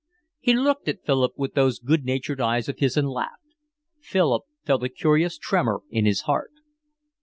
He looked at Philip with those good natured eyes of his and laughed. Philip felt a curious tremor in his heart.